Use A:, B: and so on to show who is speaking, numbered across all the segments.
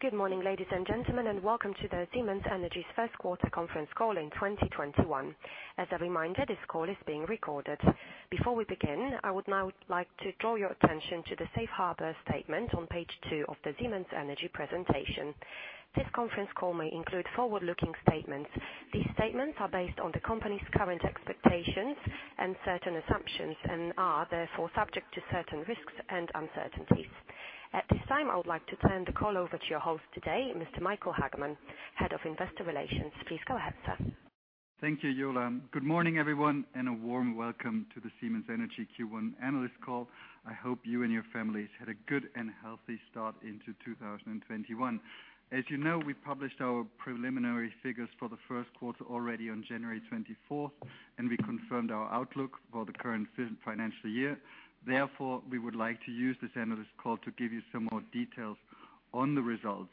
A: Good morning, ladies and gentlemen, and welcome to the Siemens Energy's first quarter conference call in 2021. As a reminder, this call is being recorded. Before we begin, I would now like to draw your attention to the safe harbor statement on page two of the Siemens Energy presentation. This conference call may include forward-looking statements. These statements are based on the company's current expectations and certain assumptions, and are therefore subject to certain risks and uncertainties. At this time, I would like to turn the call over to your host today, Mr. Michael Hagmann, Head of Investor Relations. Please go ahead, sir.
B: Thank you, Yola. Good morning, everyone, and a warm welcome to the Siemens Energy Q1 analyst call. I hope you and your families had a good and healthy start into 2021. As you know, we published our preliminary figures for the first quarter already on January 24th, and we confirmed our outlook for the current financial year. Therefore, we would like to use this analyst call to give you some more details on the results.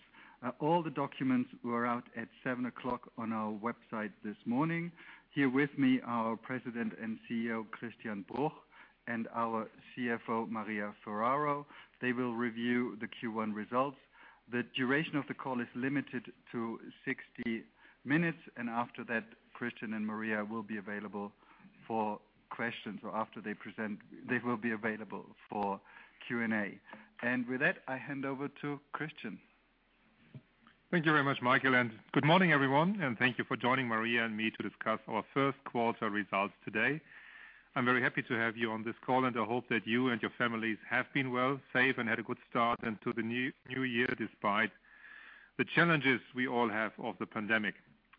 B: All the documents were out at 7:00 A.M. on our website this morning. Here with me, our President and CEO, Christian Bruch, and our CFO, Maria Ferraro. They will review the Q1 results. The duration of the call is limited to 60 minutes, and after that, Christian and Maria will be available for questions, or after they present, they will be available for Q&A. With that, I hand over to Christian.
C: Thank you very much, Michael. Good morning, everyone. Thank you for joining Maria and me to discuss our first quarter results today. I'm very happy to have you on this call. I hope that you and your families have been well, safe, and had a good start into the new year, despite the challenges we all have of the pandemic.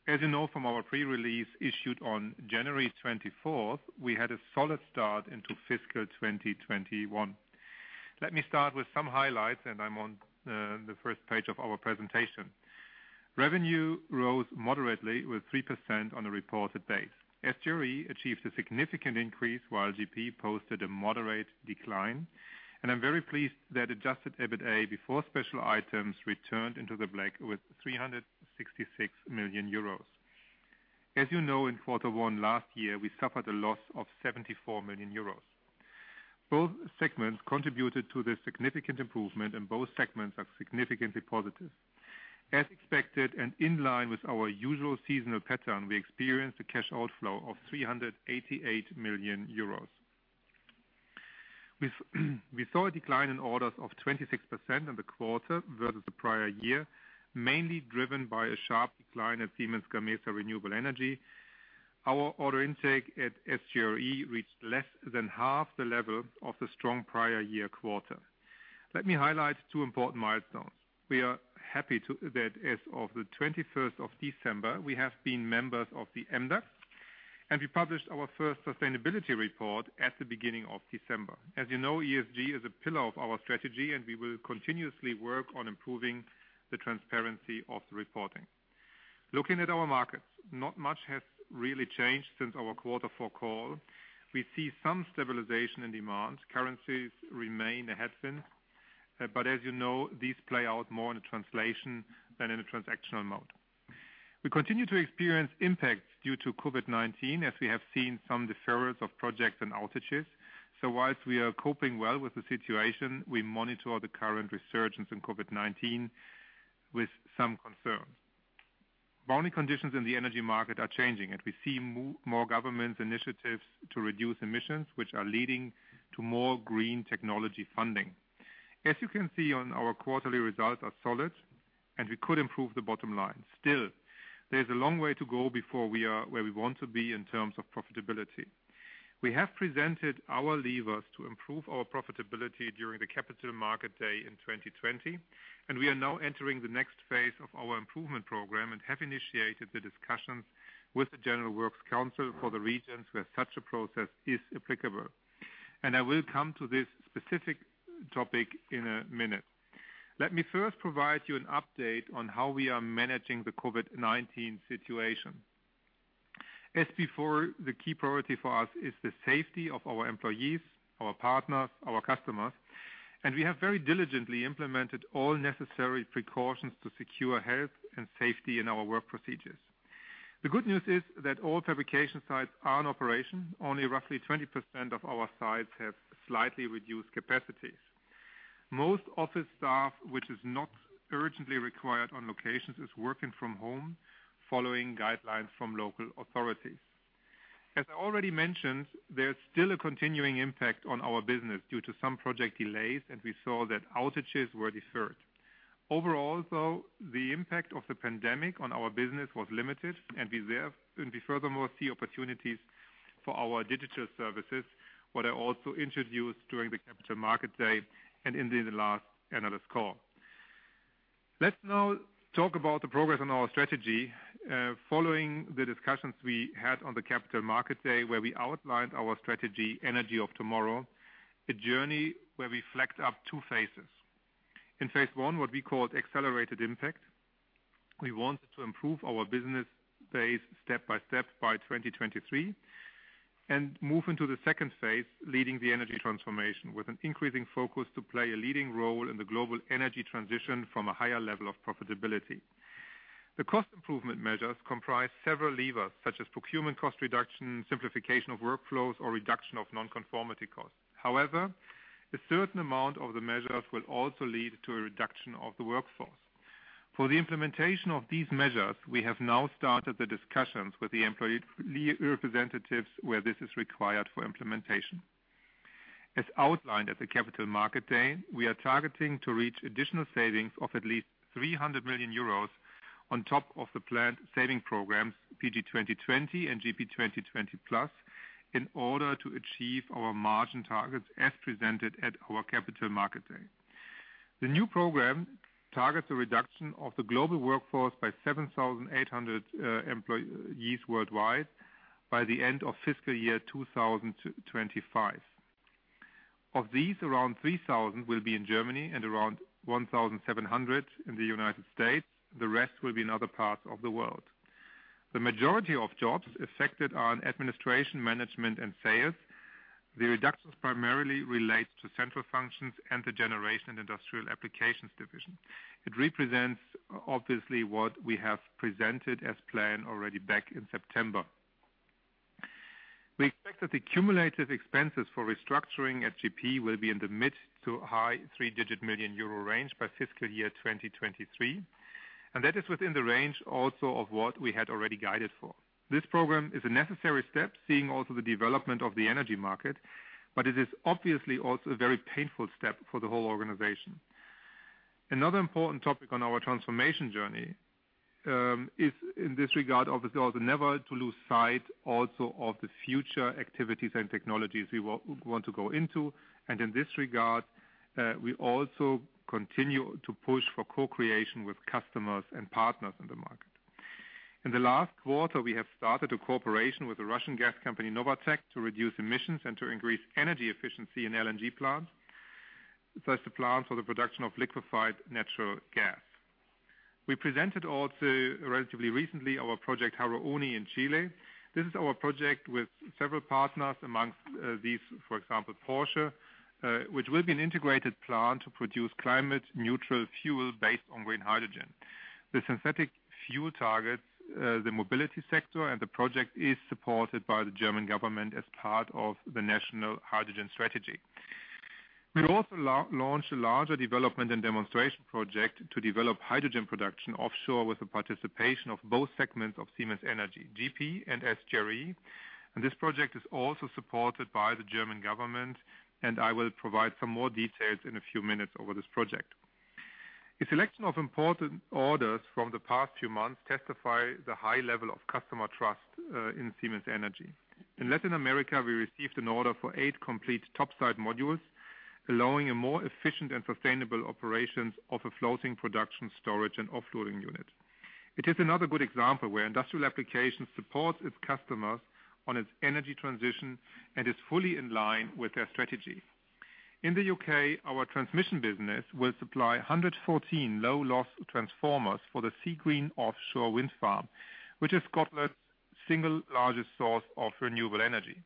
C: As you know from our pre-release issued on January 24th, we had a solid start into fiscal 2021. Let me start with some highlights. I'm on the first page of our presentation. Revenue rose moderately with 3% on a reported base. SGRE achieved a significant increase while GP posted a moderate decline. I'm very pleased that adjusted EBITDA before special items returned into the black with 366 million euros. As you know, in quarter one last year, we suffered a loss of 74 million euros. Both segments contributed to the significant improvement. Both segments are significantly positive. As expected and in line with our usual seasonal pattern, we experienced a cash outflow of 388 million euros. We saw a decline in orders of 26% in the quarter versus the prior year, mainly driven by a sharp decline at Siemens Gamesa Renewable Energy. Our order intake at SGRE reached less than half the level of the strong prior year quarter. Let me highlight two important milestones. We are happy that as of the 21st of December, we have been members of the MDAX, and we published our first sustainability report at the beginning of December. As you know, ESG is a pillar of our strategy, and we will continuously work on improving the transparency of the reporting. Looking at our markets, not much has really changed since our quarter four call. We see some stabilization in demands. Currencies remain a headwind. As you know, these play out more in the translation than in a transactional mode. We continue to experience impacts due to COVID-19, as we have seen some deferrals of projects and outages. Whilst we are coping well with the situation, we monitor the current resurgence in COVID-19 with some concern. Funding conditions in the energy market are changing, and we see more government initiatives to reduce emissions, which are leading to more green technology funding. As you can see on our quarterly results are solid, and we could improve the bottom line. Still, there's a long way to go before we are where we want to be in terms of profitability. We have presented our levers to improve our profitability during the Capital Market Day in 2020. We are now entering the next phase of our improvement program and have initiated the discussions with the General Works Council for the regions where such a process is applicable. I will come to this specific topic in a minute. Let me first provide you an update on how we are managing the COVID-19 situation. As before, the key priority for us is the safety of our employees, our partners, our customers, and we have very diligently implemented all necessary precautions to secure health and safety in our work procedures. The good news is that all fabrication sites are in operation. Only roughly 20% of our sites have slightly reduced capacities. Most office staff, which is not urgently required on locations, is working from home following guidelines from local authorities. As I already mentioned, there's still a continuing impact on our business due to some project delays, and we saw that outages were deferred. Overall, though, the impact of the pandemic on our business was limited, and we furthermore see opportunities for our digital services, what I also introduced during the Capital Market Day and in the last analyst call. Let's now talk about the progress on our strategy. Following the discussions we had on the Capital Market Day, where we outlined our strategy, Energy of Tomorrow, a journey where we flagged up two phases. In phase one, what we called Accelerated Impact, we wanted to improve our business base step by step by 2023 and move into second phase, leading the energy transformation with an increasing focus to play a leading role in the global energy transition from a higher level of profitability. The cost improvement measures comprise several levers, such as procurement cost reduction, simplification of workflows, or reduction of non-conformity costs. A certain amount of the measures will also lead to a reduction of the workforce. For the implementation of these measures, we have now started the discussions with the employee representatives where this is required for implementation. As outlined at the Capital Market Day, we are targeting to reach additional savings of at least 300 million euros on top of the planned saving programs, PG 2020 and GP 2020+, in order to achieve our margin targets as presented at our Capital Market Day. The new program targets a reduction of the global workforce by 7,800 employees worldwide by the end of fiscal year 2025. Of these, around 3,000 will be in Germany and around 1,700 in the U.S. The rest will be in other parts of the world. The majority of jobs affected are in administration, management, and sales. The reductions primarily relate to central functions and the Generation and Industrial Applications division. It represents obviously what we have presented as planned already back in September. We expect that the cumulative expenses for restructuring at GP will be in the mid to high three-digit million euro range by fiscal year 2023. That is within the range also of what we had already guided for. This program is a necessary step, seeing also the development of the energy market. It is obviously also a very painful step for the whole organization. Another important topic on our transformation journey is in this regard, obviously, also never to lose sight also of the future activities and technologies we want to go into. In this regard, we also continue to push for co-creation with customers and partners in the market. In the last quarter, we have started a cooperation with the Russian gas company Novatek to reduce emissions and to increase energy efficiency in LNG plants. That's the plan for the production of liquefied natural gas. We presented also relatively recently our project, Haru Oni in Chile. This is our project with several partners, amongst these, for example, Porsche, which will be an integrated plant to produce climate-neutral fuel based on green hydrogen. The synthetic fuel targets the mobility sector, and the project is supported by the German government as part of the National Hydrogen Strategy. We also launched a larger development and demonstration project to develop hydrogen production offshore with the participation of both segments of Siemens Energy, GP and SGRE. This project is also supported by the German government, and I will provide some more details in a few minutes over this project. A selection of important orders from the past few months testify the high level of customer trust in Siemens Energy. In Latin America, we received an order for eight complete topside modules, allowing a more efficient and sustainable operations of a floating production storage and offloading unit. It is another good example where industrial applications support its customers on its energy transition and is fully in line with their strategy. In the U.K., our transmission business will supply 114 low loss transformers for the Seagreen offshore wind farm, which is Scotland's single largest source of renewable energy.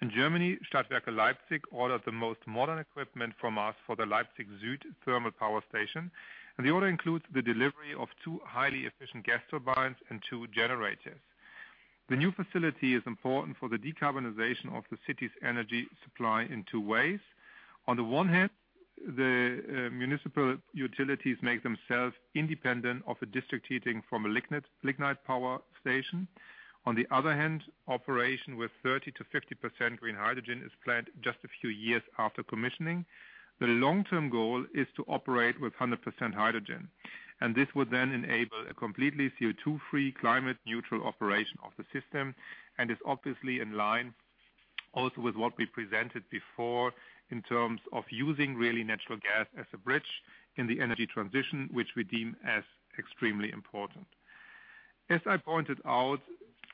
C: In Germany, Stadtwerke Leipzig ordered the most modern equipment from us for the Leipzig Süd thermal power station. The order includes the delivery of two highly efficient gas turbines and two generators. The new facility is important for the decarbonization of the city's energy supply in two ways. On the one hand, the municipal utilities make themselves independent of a district heating from a lignite power station. On the other hand, operation with 30%-50% green hydrogen is planned just a few years after commissioning. The long-term goal is to operate with 100% hydrogen, this would enable a completely CO2-free, climate-neutral operation of the system and is obviously in line also with what we presented before in terms of using really natural gas as a bridge in the energy transition, which we deem as extremely important. As I pointed out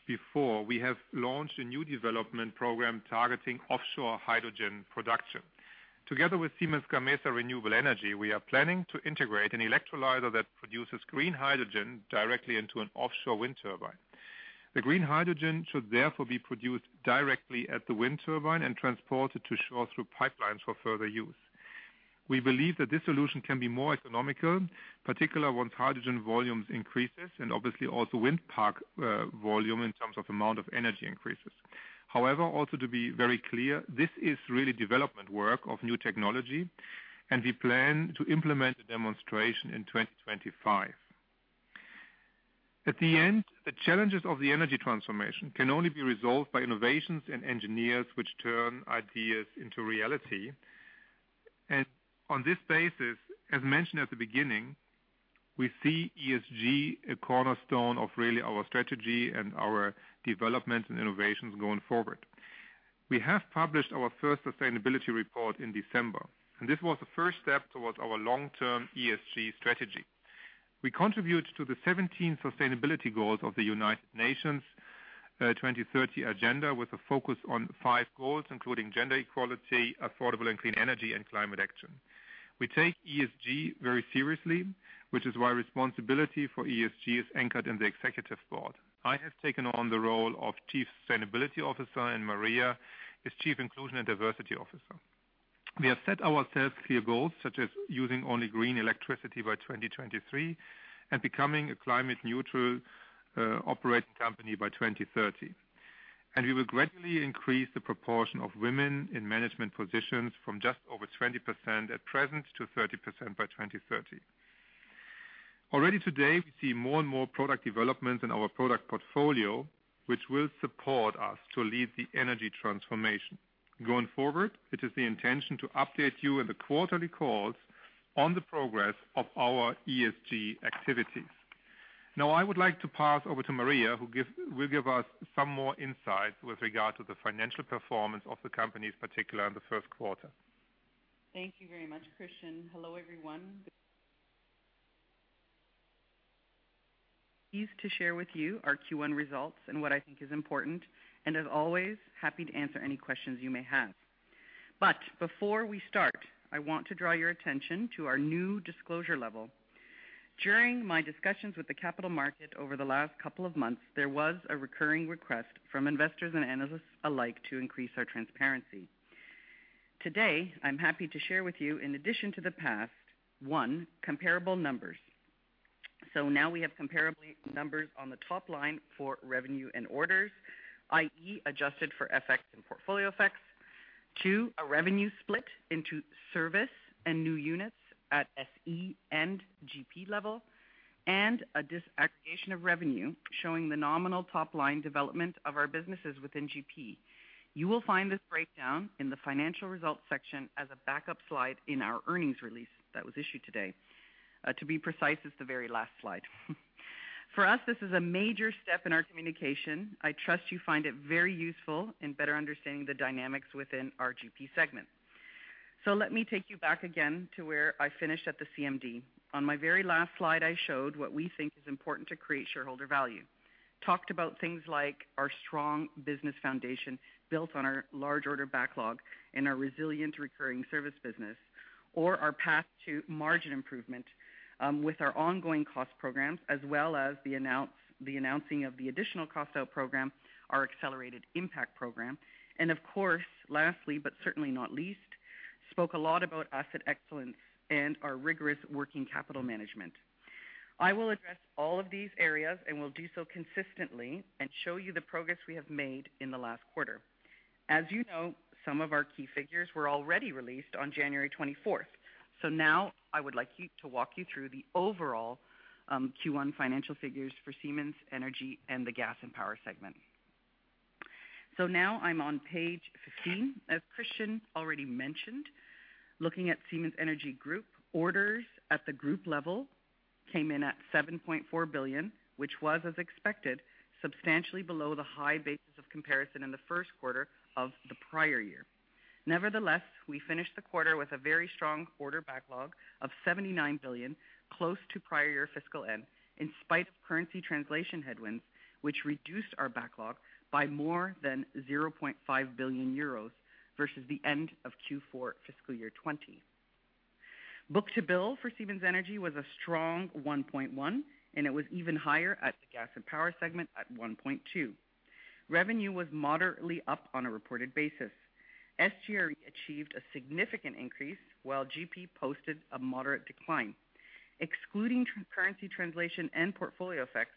C: before, we have launched a new development program targeting offshore hydrogen production. Together with Siemens Gamesa Renewable Energy, we are planning to integrate an electrolyser that produces green hydrogen directly into an offshore wind turbine. The green hydrogen should therefore be produced directly at the wind turbine and transported to shore through pipelines for further use. We believe that this solution can be more economical, particularly once hydrogen volumes increase, obviously also wind park volume in terms of amount of energy increase. Also to be very clear, this is really development work of new technology. We plan to implement the demonstration in 2025. At the end, the challenges of the energy transformation can only be resolved by innovations and engineers which turn ideas into reality. On this basis, as mentioned at the beginning, we see ESG a cornerstone of really our strategy and our development and innovations going forward. We have published our first sustainability report in December. This was the first step towards our long-term ESG strategy. We contribute to the 17 sustainability goals of the United Nations 2030 agenda with a focus on five goals, including gender equality, affordable and clean energy, and climate action. We take ESG very seriously, which is why responsibility for ESG is anchored in the executive board. I have taken on the role of Chief Sustainability Officer, and Maria is Chief Inclusion and Diversity Officer. We have set ourselves clear goals, such as using only green electricity by 2023 and becoming a climate neutral operating company by 2030. We will gradually increase the proportion of women in management positions from just over 20% at present to 30% by 2030. Already today, we see more and more product developments in our product portfolio, which will support us to lead the energy transformation. Going forward, it is the intention to update you in the quarterly calls on the progress of our ESG activities. I would like to pass over to Maria, who will give us some more insight with regard to the financial performance of the company, particularly in the first quarter.
D: Thank you very much, Christian. Hello, everyone. Pleased to share with you our Q1 results and what I think is important, as always, happy to answer any questions you may have. Before we start, I want to draw your attention to our new disclosure level. During my discussions with the capital market over the last couple of months, there was a recurring request from investors and analysts alike to increase our transparency. Today, I'm happy to share with you, in addition to the past, one, comparable numbers. Now we have comparable numbers on the top line for revenue and orders, i.e., adjusted for FX and portfolio effects. Two, a revenue split into service and new units at SE and GP level, and a disaggregation of revenue showing the nominal top-line development of our businesses within GP. You will find this breakdown in the financial results section as a backup slide in our earnings release that was issued today. To be precise, it's the very last slide. For us, this is a major step in our communication. I trust you find it very useful in better understanding the dynamics within our GP segment. Let me take you back again to where I finished at the CMD. On my very last slide, I showed what we think is important to create shareholder value. Talked about things like our strong business foundation built on our large order backlog and our resilient recurring service business, or our path to margin improvement with our ongoing cost programs, as well as the announcing of the additional cost out program, our Accelerated Impact program. Of course, lastly but certainly not least, spoke a lot about asset excellence and our rigorous working capital management. I will address all of these areas and will do so consistently and show you the progress we have made in the last quarter. As you know, some of our key figures were already released on January 24th. Now I would like to walk you through the overall Q1 financial figures for Siemens Energy and the Gas and Power segment. Now I'm on page 15. As Christian already mentioned, looking at Siemens Energy Group orders at the group level came in at 7.4 billion, which was, as expected, substantially below the high basis of comparison in the first quarter of the prior year. Nevertheless, we finished the quarter with a very strong order backlog of 79 billion close to prior-year fiscal end, in spite of currency translation headwinds, which reduced our backlog by more than 0.5 billion euros versus the end of Q4 fiscal year 2020. Book to bill for Siemens Energy was a strong 1.1, and it was even higher at the Gas and Power segment at 1.2. Revenue was moderately up on a reported basis. SGRE achieved a significant increase while GP posted a moderate decline. Excluding currency translation and portfolio effects,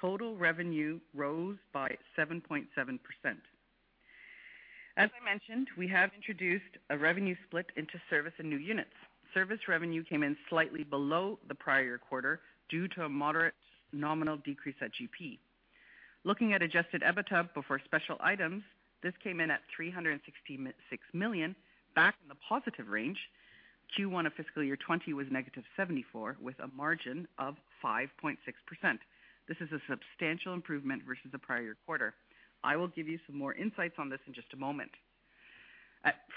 D: total revenue rose by 7.7%. As I mentioned, we have introduced a revenue split into service and new units. Service revenue came in slightly below the prior quarter due to a moderate nominal decrease at GP. Looking at adjusted EBITDA before special items, this came in at 366 million, back in the positive range. Q1 of fiscal year 2020 was -74 million with a margin of 5.6%. This is a substantial improvement versus the prior quarter. I will give you some more insights on this in just a moment.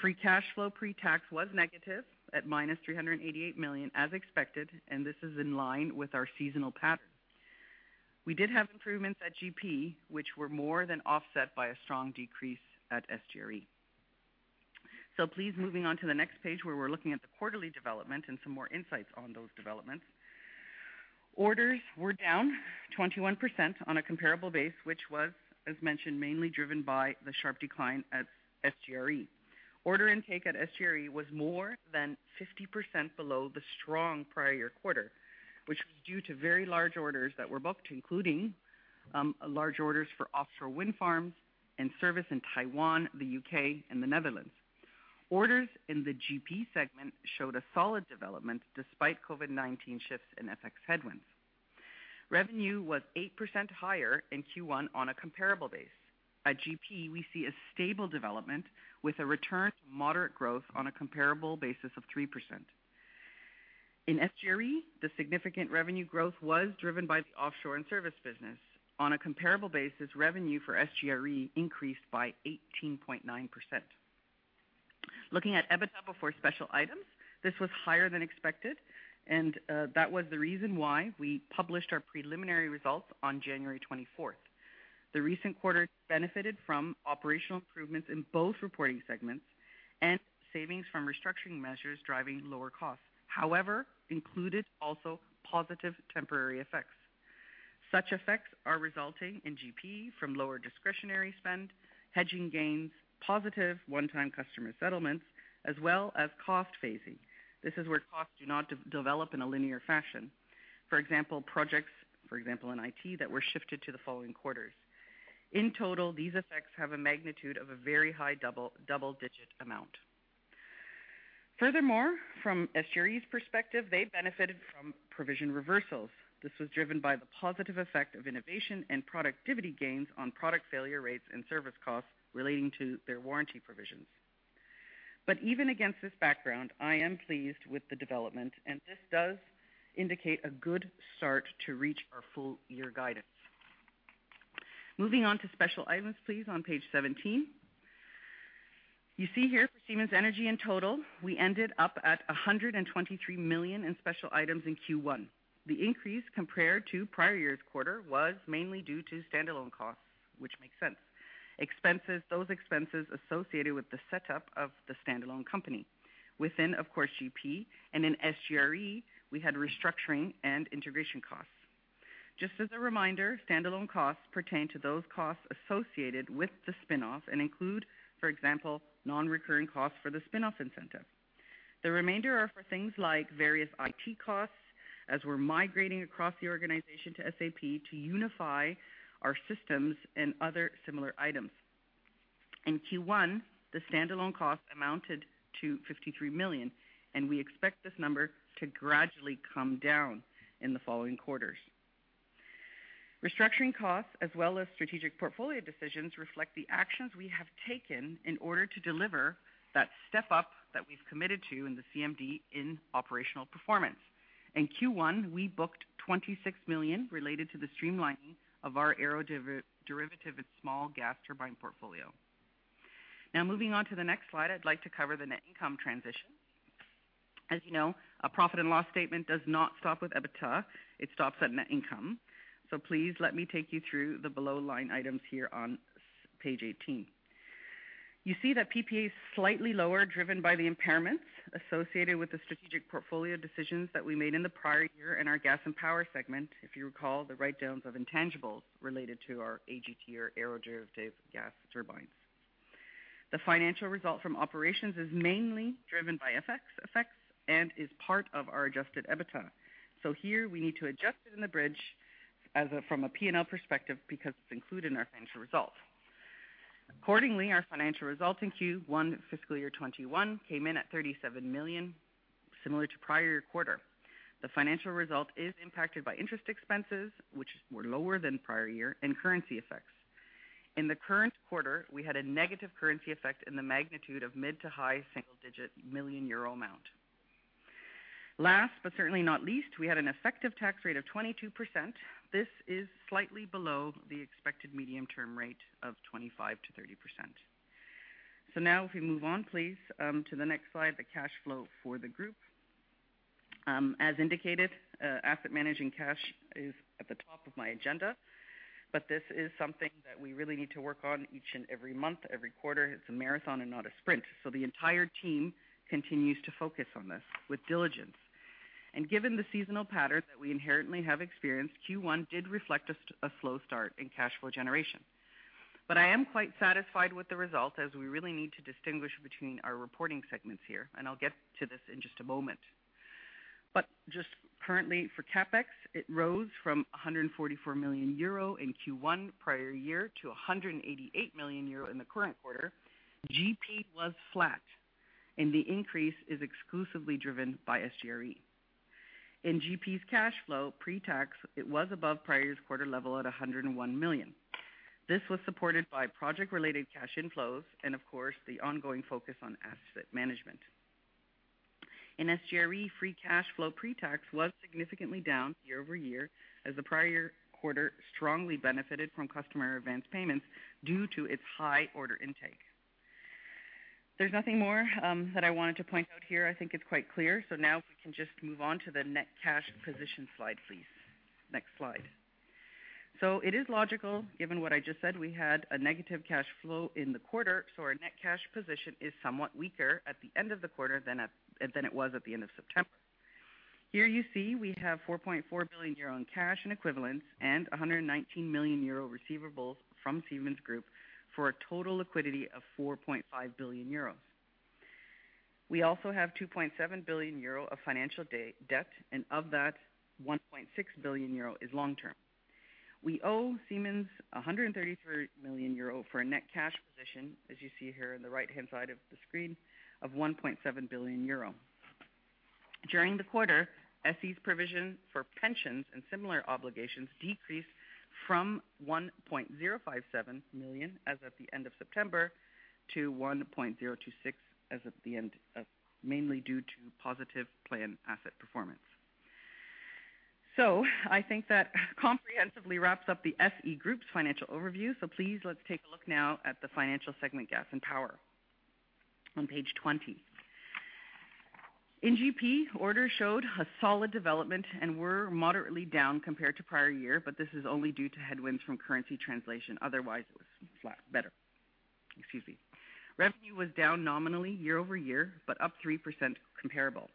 D: Free cash flow pre-tax was negative at -388 million as expected. This is in line with our seasonal pattern. We did have improvements at GP, which were more than offset by a strong decrease at SGRE. Please, moving on to the next page where we're looking at the quarterly development and some more insights on those developments. Orders were down 21% on a comparable base, which was, as mentioned, mainly driven by the sharp decline at SGRE. Order intake at SGRE was more than 50% below the strong prior year quarter, which was due to very large orders that were booked, including large orders for offshore wind farms and service in Taiwan, the U.K., and the Netherlands. Orders in the GP segment showed a solid development despite COVID-19 shifts and FX headwinds. Revenue was 8% higher in Q1 on a comparable basis. At GP, we see a stable development with a return to moderate growth on a comparable basis of 3%. In SGRE, the significant revenue growth was driven by the offshore and service business. On a comparable basis, revenue for SGRE increased by 18.9%. Looking at EBITDA before special items, this was higher than expected, that was the reason why we published our preliminary results on January 24th. The recent quarter benefited from operational improvements in both reporting segments and savings from restructuring measures driving lower costs. Included also positive temporary effects. Such effects are resulting in GP from lower discretionary spend, hedging gains, positive one-time customer settlements, as well as cost phasing. This is where costs do not develop in a linear fashion. Projects, for example in IT, that were shifted to the following quarters. In total, these effects have a magnitude of a very high double-digit amount. From SGRE's perspective, they benefited from provision reversals. This was driven by the positive effect of innovation and productivity gains on product failure rates and service costs relating to their warranty provisions. Even against this background, I am pleased with the development, and this does indicate a good start to reach our full year guidance. Moving on to special items, please, on page 17. You see here for Siemens Energy in total, we ended up at 123 million in special items in Q1. The increase compared to prior year's quarter was mainly due to standalone costs, which makes sense. Those expenses associated with the setup of the standalone company. Within, of course, GP and in SGRE, we had restructuring and integration costs. Just as a reminder, standalone costs pertain to those costs associated with the spin-off and include, for example, non-recurring costs for the spin-off incentive. The remainder are for things like various IT costs, as we're migrating across the organization to SAP to unify our systems and other similar items. In Q1, the standalone cost amounted to 53 million, and we expect this number to gradually come down in the following quarters. Restructuring costs, as well as strategic portfolio decisions, reflect the actions we have taken in order to deliver that step up that we've committed to in the CMD in operational performance. In Q1, we booked 26 million related to the streamlining of our aeroderivative and small gas turbine portfolio. Moving on to the next slide, I'd like to cover the net income transition. As you know, a profit and loss statement does not stop with EBITDA. It stops at net income. Please let me take you through the below line items here on page 18. You see that PPA is slightly lower, driven by the impairments associated with the strategic portfolio decisions that we made in the prior year in our Gas and Power segment. If you recall, the write-downs of intangibles related to our AGT or aeroderivative gas turbines. The financial result from operations is mainly driven by effects and is part of our adjusted EBITDA. Here we need to adjust it in the bridge from a P&L perspective because it is included in our financial result. Accordingly, our financial result in Q1 fiscal year 2021 came in at 37 million, similar to prior quarter. The financial result is impacted by interest expenses, which were lower than prior year, and currency effects. In the current quarter, we had a negative currency effect in the magnitude of mid to high single-digit million euro amount. Last, but certainly not least, we had an effective tax rate of 22%. This is slightly below the expected medium-term rate of 25%-30%. If we move on, please, to the next slide, the cash flow for the group. As indicated, asset management cash is at the top of my agenda. This is something that we really need to work on each and every month, every quarter. It's a marathon and not a sprint. The entire team continues to focus on this with diligence. Given the seasonal pattern that we inherently have experienced, Q1 did reflect a slow start in cash flow generation. I am quite satisfied with the result, as we really need to distinguish between our reporting segments here, and I'll get to this in just a moment. Just currently for CapEx, it rose from 144 million euro in Q1 prior year to 188 million euro in the current quarter. GP was flat, and the increase is exclusively driven by SGRE. In GP's cash flow pre-tax, it was above prior year's quarter level at 101 million. This was supported by project-related cash inflows and, of course, the ongoing focus on asset management. In SGRE, free cash flow pre-tax was significantly down year-over-year as the prior quarter strongly benefited from customer advance payments due to its high order intake. There's nothing more that I wanted to point out here. I think it's quite clear. Now we can just move on to the net cash position slide, please. Next slide. It is logical, given what I just said, we had a negative cash flow in the quarter, so our net cash position is somewhat weaker at the end of the quarter than it was at the end of September. Here you see we have 4.4 billion euro in cash and equivalents and 119 million euro receivables from Siemens Group for a total liquidity of 4.5 billion euro. We also have 2.7 billion euro of financial debt, and of that, 1.6 billion euro is long-term. We owe Siemens 133 million euro for a net cash position, as you see here in the right-hand side of the screen, of 1.7 billion euro. During the quarter, SE's provision for pensions and similar obligations decreased from 1.057 billion as of the end of September to 1.026 billion mainly due to positive plan asset performance. I think that comprehensively wraps up the SE Group's financial overview. Please, let's take a look now at the financial segment Gas and Power on page 20. In GP, orders showed a solid development and were moderately down compared to prior year, but this is only due to headwinds from currency translation. Otherwise, it was better. Excuse me. Revenue was down nominally year-over-year, but up 3% comparable.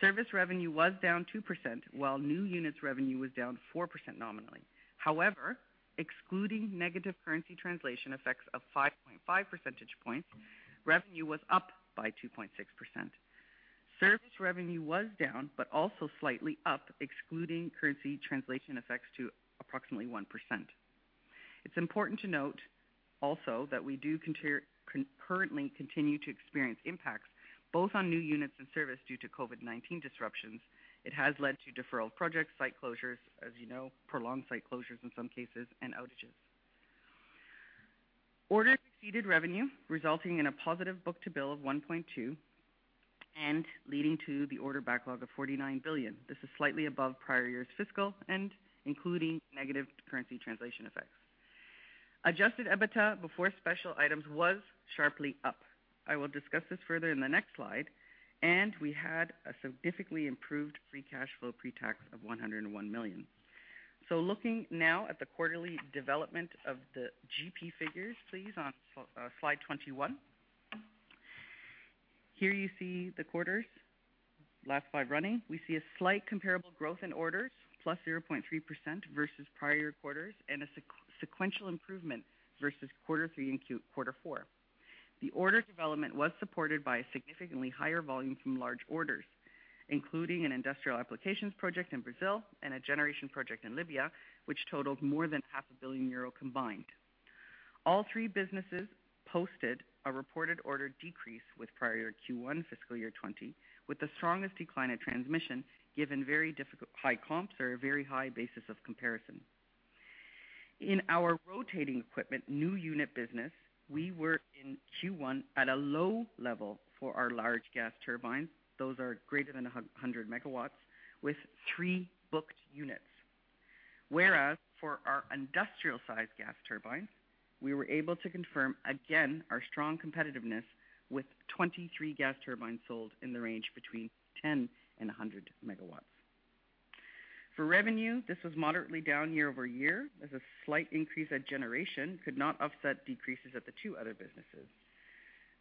D: Service revenue was down 2%, while new units revenue was down 4% nominally. However, excluding negative currency translation effects of 5.5 percentage points, revenue was up by 2.6%. Service revenue was down, but also slightly up, excluding currency translation effects to approximately 1%. It's important to note also that we do currently continue to experience impacts both on new units and service due to COVID-19 disruptions. It has led to deferral of projects, site closures, as you know, prolonged site closures in some cases, and outages. Orders exceeded revenue, resulting in a positive book-to-bill of 1.2 and leading to the order backlog of 49 billion. This is slightly above prior year's fiscal end including negative currency translation effects. Adjusted EBITDA before special items was sharply up. I will discuss this further in the next slide. We had a significantly improved free cash flow pre-tax of 101 million. Looking now at the quarterly development of the GP figures, please, on slide 21. Here you see the quarters, last five running. We see a slight comparable growth in orders, +0.3% versus prior quarters, and a sequential improvement versus quarter three and quarter four. The order development was supported by a significantly higher volume from large orders, including an industrial applications project in Brazil and a generation project in Libya, which totaled more than 500 million euro combined. All three businesses posted a reported order decrease with prior year Q1 fiscal year 2020, with the strongest decline at transmission, given very high comps or a very high basis of comparison. In our rotating equipment new unit business, we were in Q1 at a low level for our large gas turbines. Those are greater than 100 MW with three booked units. Whereas for our industrial-sized gas turbines, we were able to confirm again our strong competitiveness with 23 gas turbines sold in the range between 10 MW and 100 MW. For revenue, this was moderately down year-over-year as a slight increase at Generation could not offset decreases at the two other businesses.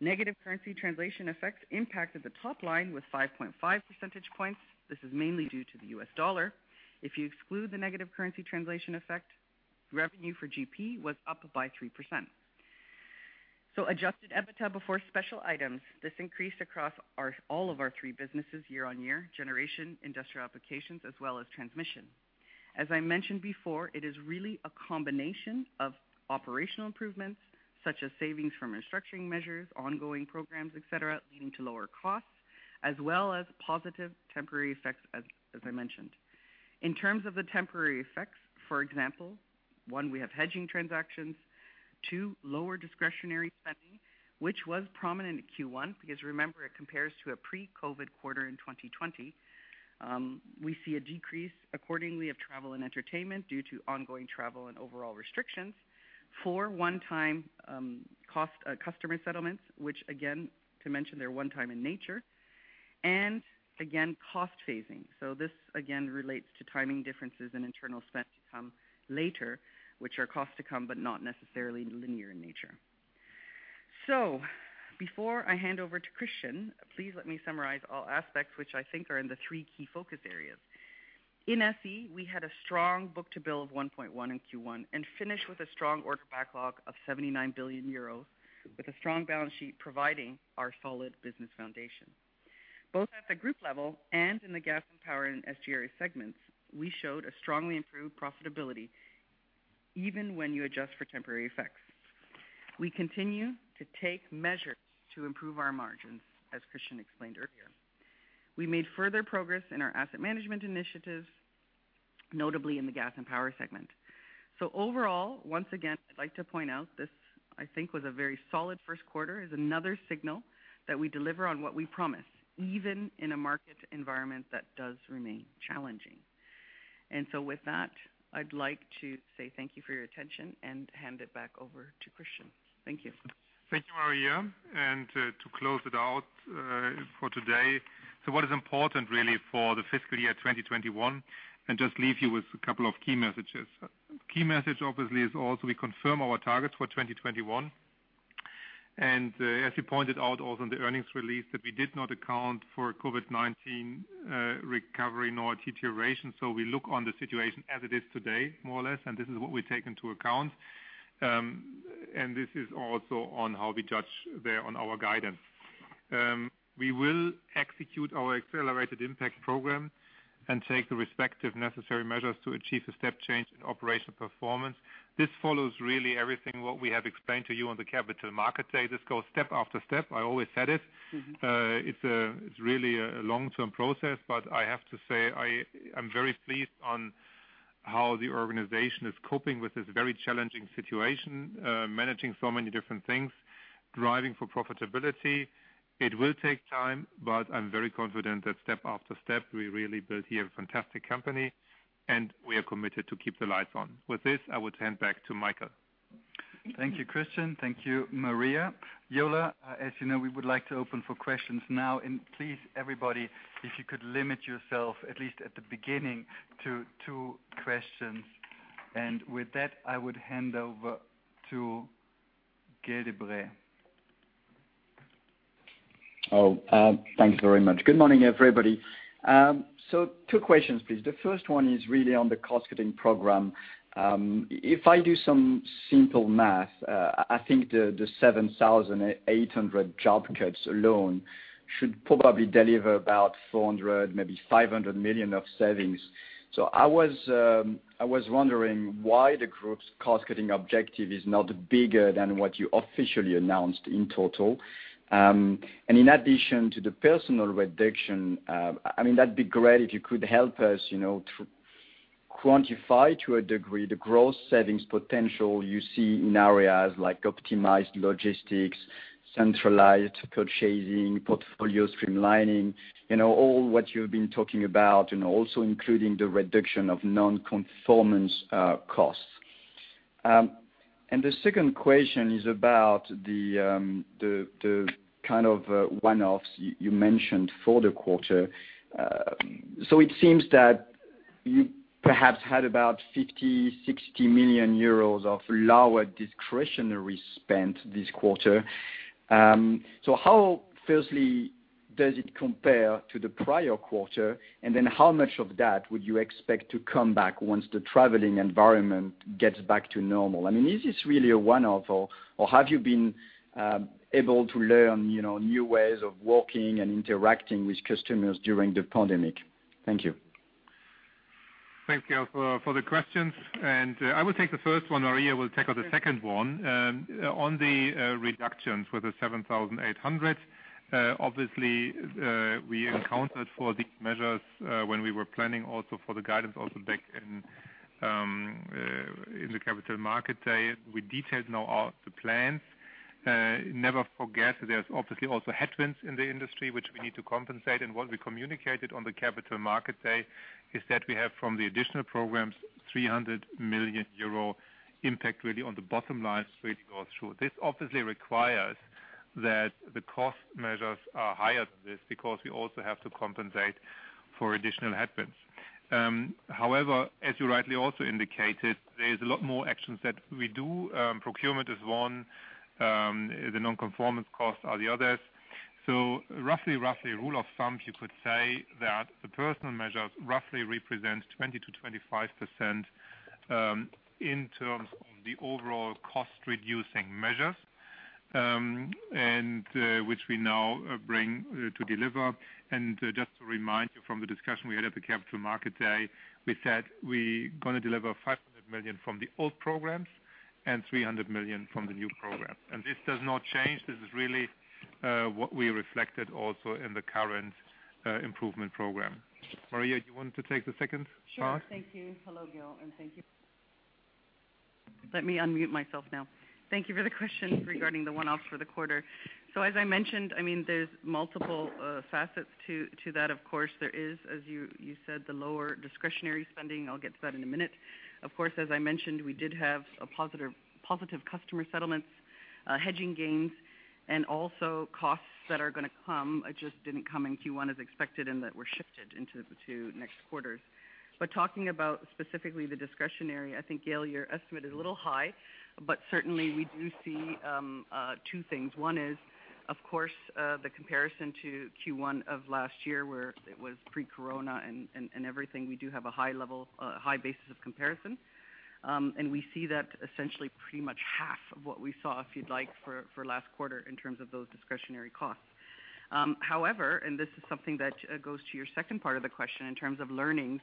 D: Negative currency translation effects impacted the top line with 5.5 percentage points. This is mainly due to the U.S. dollar. If you exclude the negative currency translation effect, revenue for GP was up by 3%. Adjusted EBITDA before special items, this increased across all of our three businesses year-on-year, Generation, Industrial Applications, as well as Transmission. As I mentioned before, it is really a combination of operational improvements such as savings from restructuring measures, ongoing programs, et cetera, leading to lower costs, as well as positive temporary effects, as I mentioned. In terms of the temporary effects, for example, one, we have hedging transactions, two, lower discretionary spending, which was prominent in Q1 because remember, it compares to a pre-COVID quarter in 2020. We see a decrease accordingly of travel and entertainment due to ongoing travel and overall restrictions. Four, one-time customer settlements, which again, to mention they're one time in nature, and again, cost phasing. This again relates to timing differences in internal spend to come later, which are costs to come but not necessarily linear in nature. Before I hand over to Christian, please let me summarize all aspects which I think are in the three key focus areas. In SE, we had a strong book-to-bill of 1.1 in Q1 and finished with a strong order backlog of 79 billion euros with a strong balance sheet providing our solid business foundation. Both at the group level and in the Gas and Power and SGRE segments, we showed a strongly improved profitability even when you adjust for temporary effects. We continue to take measures to improve our margins, as Christian explained earlier. We made further progress in our asset management initiatives, notably in the Gas and Power segment. Overall, once again, I'd like to point out this I think was a very solid first quarter, is another signal that we deliver on what we promise, even in a market environment that does remain challenging. With that, I'd like to say thank you for your attention and hand it back over to Christian. Thank you.
C: Thank you, Maria. To close it out for today, so what is important really for the fiscal year 2021, and just leave you with a couple of key messages. Key message obviously is also we confirm our targets for 2021. As you pointed out also in the earnings release, that we did not account for COVID-19 recovery nor deterioration. We look on the situation as it is today, more or less, and this is what we take into account. This is also on how we judge bears on our guidance. We will execute our Accelerated Impact program and take the respective necessary measures to achieve the step change in operational performance. This follows really everything what we have explained to you on the Capital Market Day. This goes step after step. I always said it. It's really a long-term process. I have to say, I'm very pleased on how the organization is coping with this very challenging situation, managing so many different things, driving for profitability. It will take time. I'm very confident that step after step, we really built here a fantastic company, we are committed to keep the lights on. With this, I would hand back to Michael.
B: Thank you, Christian. Thank you, Maria. Yola, as you know, we would like to open for questions now. Please, everybody, if you could limit yourself, at least at the beginning, to two questions. With that, I would hand over to Gael de-Bray.
E: Thanks very much. Good morning, everybody. Two questions, please. The first one is really on the cost-cutting program. If I do some simple math, I think the 7,800 job cuts alone should probably deliver about 400 million, maybe 500 million of savings. I was wondering why the group's cost-cutting objective is not bigger than what you officially announced in total. In addition to the personnel reduction, that would be great if you could help us to quantify to a degree the growth savings potential you see in areas like optimized logistics, centralized purchasing, portfolio streamlining, all what you've been talking about, and also including the reduction of non-conformance costs. The second question is about the one-offs you mentioned for the quarter. It seems that you perhaps had about 50 million euros, 60 million euros of lower discretionary spend this quarter. How, firstly, does it compare to the prior quarter? How much of that would you expect to come back once the traveling environment gets back to normal? Is this really a one-off, or have you been able to learn new ways of working and interacting with customers during the pandemic? Thank you.
C: Thanks, Gael, for the questions. I will take the first one. Maria will take on the second one. On the reductions with the 7,800, obviously, we accounted for these measures when we were planning also for the guidance also back in the Capital Market Day. We detailed now all the plans. Never forget there's obviously also headwinds in the industry, which we need to compensate. What we communicated on the Capital Market Day is that we have from the additional programs, 300 million euro impact really on the bottom line straight go through. This obviously requires that the cost measures are higher than this because we also have to compensate for additional headwinds. However, as you rightly also indicated, there's a lot more actions that we do. Procurement is one, the non-conformance costs are the others. Roughly rule of thumb, you could say that the personnel measures roughly represent 20%-25% in terms of the overall cost-reducing measures, and which we now bring to deliver. just to remind you from the discussion we had at the Capital Market Day, we said we going to deliver 500 million from the old programs and 300 million from the new program. this does not change. This is really what we reflected also in the current improvement program. Maria, do you want to take the second part?
D: Sure. Thank you. Hello, Gael, and thank you. Let me unmute myself now. Thank you for the question regarding the one-offs for the quarter. As I mentioned, there's multiple facets to that. Of course, there is, as you said, the lower discretionary spending. I'll get to that in a minute. Of course, as I mentioned, we did have a positive customer settlements, hedging gains, and also costs that are going to come, just didn't come in Q1 as expected, and that were shifted into two next quarters. Talking about specifically the discretionary, I think, Gael, your estimate is a little high, but certainly we do see two things. One is, of course, the comparison to Q1 of last year, where it was pre-corona and everything. We do have a high basis of comparison. We see that essentially pretty much half of what we saw, if you'd like, for last quarter in terms of those discretionary costs. However, this is something that goes to your second part of the question in terms of learnings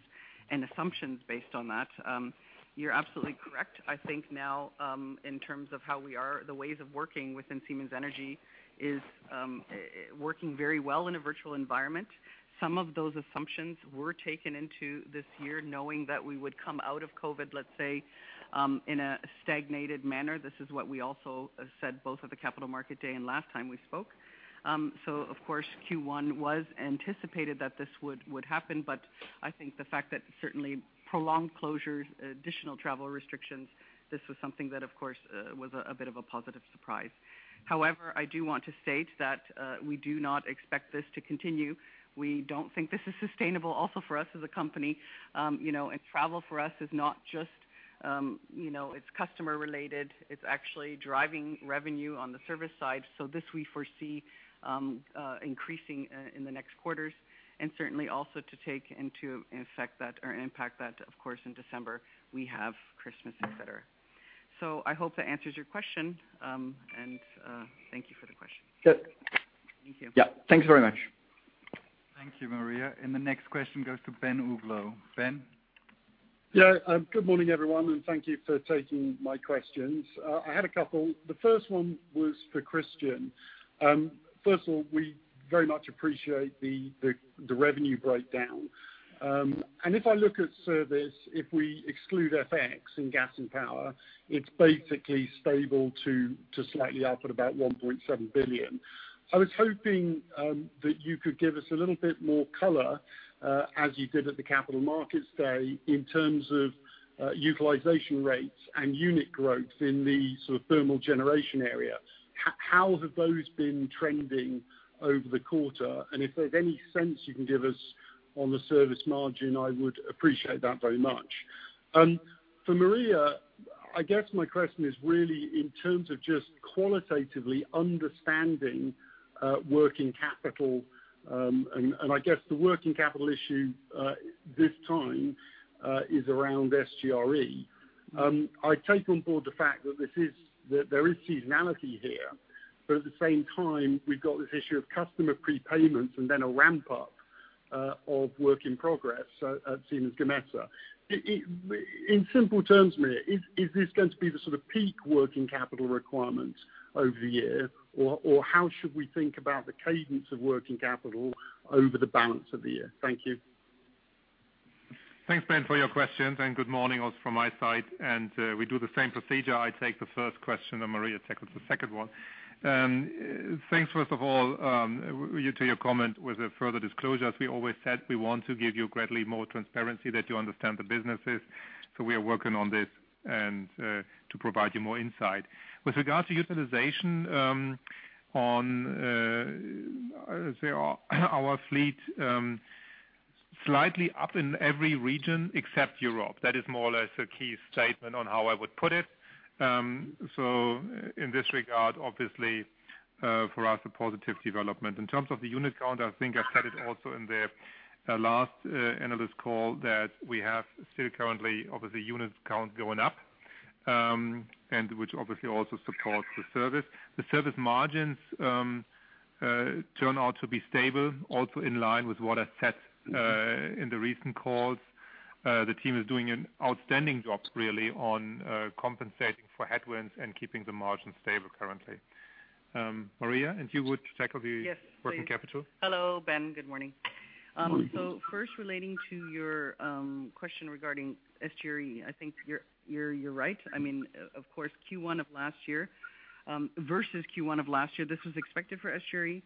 D: and assumptions based on that. You're absolutely correct. I think now, in terms of how we are, the ways of working within Siemens Energy is working very well in a virtual environment. Some of those assumptions were taken into this year knowing that we would come out of COVID, let's say, in a stagnated manner. This is what we also said both at the Capital Market Day and last time we spoke. Of course, Q1 was anticipated that this would happen, but I think the fact that certainly prolonged closures, additional travel restrictions, this was something that, of course, was a bit of a positive surprise. However, I do want to state that we do not expect this to continue. We don't think this is sustainable also for us as a company. Travel for us is not just customer related. It's actually driving revenue on the service side. This we foresee increasing in the next quarters, and certainly also to take into effect that, or an impact that, of course, in December, we have Christmas, et cetera. I hope that answers your question. Thank you for the question.
E: Good.
D: Thank you.
E: Yeah. Thanks very much.
B: Thank you, Maria. The next question goes to Ben Uglow. Ben?
F: Good morning, everyone. Thank you for taking my questions. I had a couple. The first one was for Christian. First of all, we very much appreciate the revenue breakdown. If I look at service, if we exclude FX and Gas and Power, it's basically stable to slightly up at about 1.7 billion. I was hoping that you could give us a little bit more color, as you did at the Capital Market Day, in terms of utilization rates and unit growth in the thermal generation area. How have those been trending over the quarter? If there's any sense you can give us on the service margin, I would appreciate that very much. For Maria, I guess my question is really in terms of just qualitatively understanding working capital, and I guess the working capital issue this time is around SGRE. I take on board the fact that there is seasonality here. At the same time, we've got this issue of customer prepayments and then a ramp-up of work in progress at Siemens Gamesa. In simple terms, Maria, is this going to be the sort of peak working capital requirement over the year? How should we think about the cadence of working capital over the balance of the year? Thank you.
C: Thanks, Ben, for your questions. Good morning also from my side. We do the same procedure. I take the first question, and Maria takes the second one. Thanks, first of all, to your comment with the further disclosure. As we always said, we want to give you greatly more transparency that you understand the businesses. We are working on this and to provide you more insight. With regard to utilization on our fleet, slightly up in every region except Europe. That is more or less a key statement on how I would put it. In this regard, obviously, for us, a positive development. In terms of the unit count, I think I said it also in the last analyst call that we have still currently, obviously, unit count going up, and which obviously also supports the service. The service margins turn out to be stable, also in line with what I said in the recent calls. The team is doing an outstanding job, really, on compensating for headwinds and keeping the margins stable currently. Maria, if you would tackle the working capital.
D: Yes, please. Hello, Ben. Good morning. First, relating to your question regarding SGRE, I think you're right. Of course Q1 of last year versus Q1 of last year, this was expected for SGRE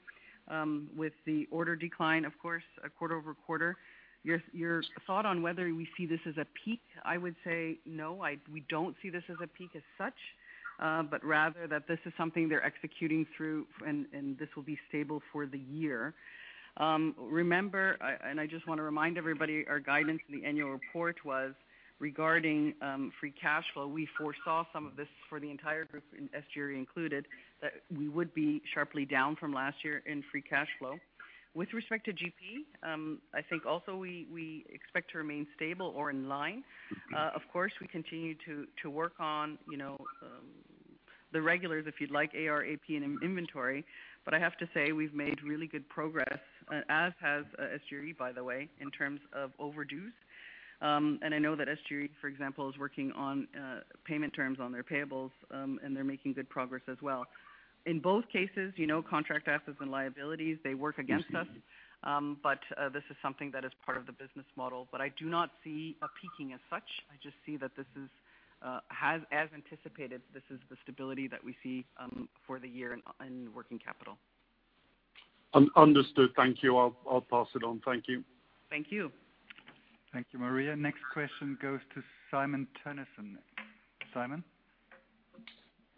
D: with the order decline, of course, quarter-over-quarter. Your thought on whether we see this as a peak, I would say no, we don't see this as a peak as such, but rather that this is something they're executing through, and this will be stable for the year. Remember, I just want to remind everybody, our guidance in the annual report was regarding free cash flow. We foresaw some of this for the entire group, SGRE included, that we would be sharply down from last year in free cash flow. With respect to GP, I think also we expect to remain stable or in line. Of course, we continue to work on the regulars, if you'd like, AR, AP, and inventory. I have to say, we've made really good progress, as has SGRE, by the way, in terms of overdues. I know that SGRE, for example, is working on payment terms on their payables, and they're making good progress as well. In both cases, contract assets and liabilities, they work against us, but this is something that is part of the business model. I do not see a peaking as such. I just see that this is, as anticipated, this is the stability that we see for the year in working capital.
F: Understood. Thank you. I'll pass it on. Thank you.
D: Thank you.
B: Thank you, Maria. Next question goes to Simon Toennessen. Simon?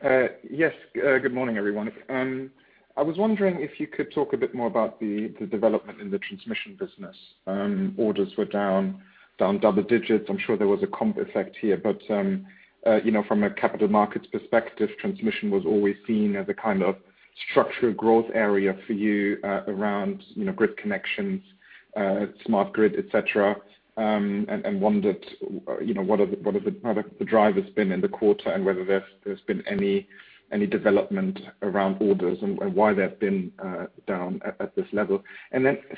G: Yes. Good morning, everyone. I was wondering if you could talk a bit more about the development in the transmission business. Orders were down double digits. I am sure there was a comp effect here. From a capital markets perspective, transmission was always seen as a kind of structural growth area for you around grid connections, smart grid, et cetera, and wondered what are the drivers been in the quarter and whether there has been any development around orders and why they have been down at this level.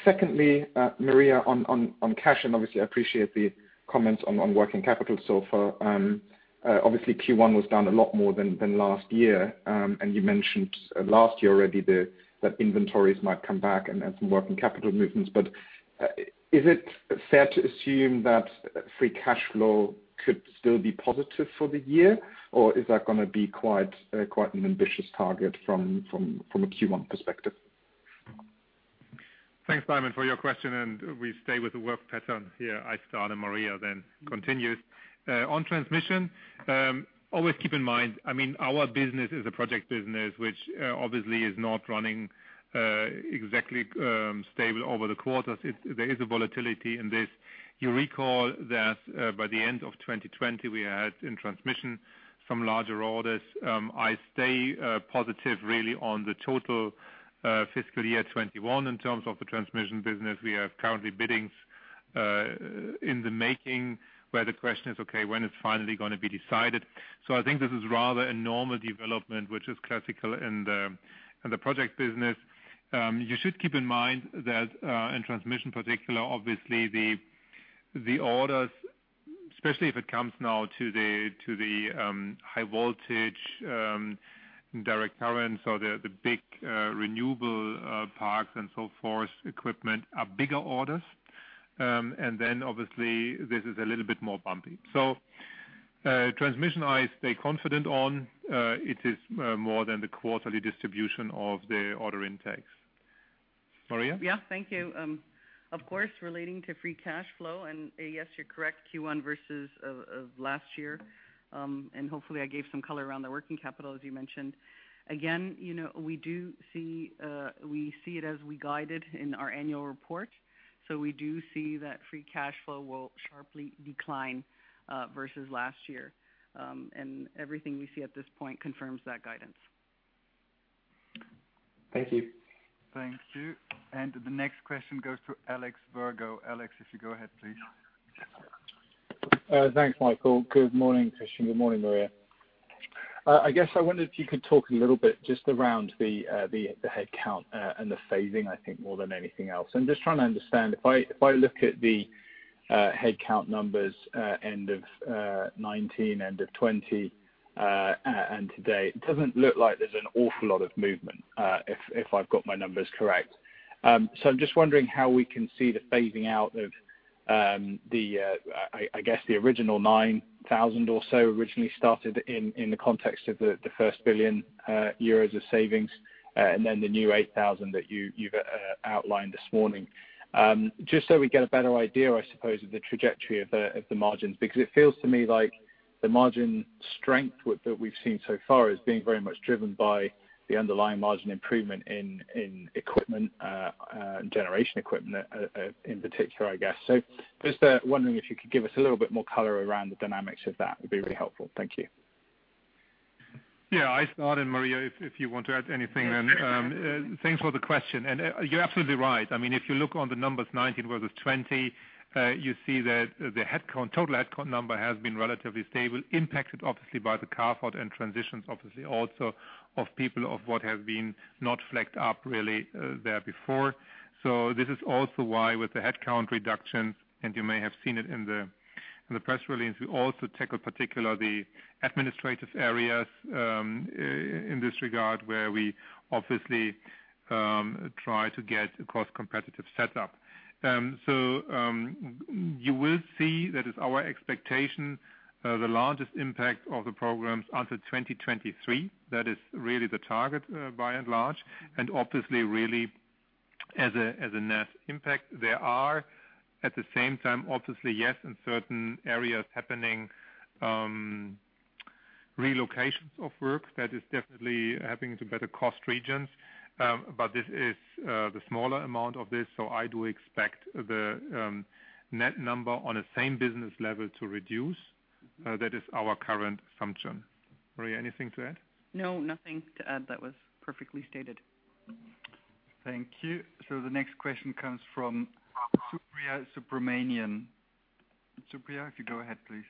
G: Secondly, Maria, on cash, and obviously, I appreciate the comments on working capital so far. Obviously, Q1 was down a lot more than last year. You mentioned last year already that inventories might come back and some working capital movements. Is it fair to assume that free cash flow could still be positive for the year? Is that going to be quite an ambitious target from a Q1 perspective?
C: Thanks, Simon, for your question. We stay with the work pattern here. I start. Maria then continues. On transmission, always keep in mind, our business is a project business, which obviously is not running exactly stable over the quarters. There is a volatility in this. You recall that by the end of 2020, we had in transmission some larger orders. I stay positive really on the total fiscal year 2021 in terms of the transmission business. We have currently biddings in the making where the question is, okay, when it's finally going to be decided. I think this is rather a normal development, which is classical in the project business. You should keep in mind that in transmission particular, obviously the orders, especially if it comes now to the high voltage direct current, so the big renewable parks and so forth equipment are bigger orders. Obviously this is a little bit more bumpy. Transmission, I stay confident on. It is more than the quarterly distribution of the order intakes. Maria?
D: Yeah. Thank you. Of course, relating to free cash flow and yes, you're correct, Q1 versus of last year, and hopefully I gave some color around the working capital, as you mentioned. We see it as we guided in our annual report. We do see that free cash flow will sharply decline versus last year. Everything we see at this point confirms that guidance.
G: Thank you.
B: Thank you. The next question goes to Alex Virgo. Alex, if you go ahead, please.
H: Thanks, Michael. Good morning, Christian. Good morning, Maria. I wonder if you could talk a little bit just around the headcount and the phasing, I think, more than anything else. I'm just trying to understand. If I look at the headcount numbers end of 2019, end of 2020, and today, it doesn't look like there's an awful lot of movement, if I've got my numbers correct. I'm just wondering how we can see the phasing out of the original 9,000 or so, originally started in the context of the first 1 billion euros of savings, and then the new 8,000 that you've outlined this morning. Just so we get a better idea, I suppose, of the trajectory of the margins, because it feels to me like the margin strength that we've seen so far is being very much driven by the underlying margin improvement in equipment, generation equipment in particular. Just wondering if you could give us a little bit more color around the dynamics of that, would be really helpful. Thank you.
C: Yeah. I start, and Maria, if you want to add anything. Thanks for the question. You're absolutely right. If you look on the numbers 2019 versus 2020, you see that the total headcount number has been relatively stable, impacted obviously by the carve-out and transitions, obviously also of people of what have been not flagged up really there before. This is also why with the headcount reductions, and you may have seen it in the press release, we also tackle particular the administrative areas in this regard, where we obviously try to get a cost competitive setup. You will see, that is our expectation, the largest impact of the programs until 2023. That is really the target by and large. Obviously really as a net impact, there are at the same time, obviously, yes, in certain areas happening, relocations of work that is definitely happening to better cost regions. This is the smaller amount of this. I do expect the net number on a same business level to reduce. That is our current assumption. Maria, anything to add?
D: No, nothing to add. That was perfectly stated.
B: Thank you. The next question comes from Supriya Subramanian. Supriya, if you go ahead, please.